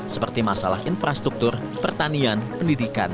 seperti masalah infrastruktur pertanian pendidikan